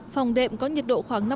phòng đệm có nhiệt độ khoảng năm độ c